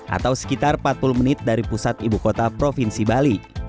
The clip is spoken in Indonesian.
atau sekitar empat puluh menit dari pusat ibu kota provinsi bali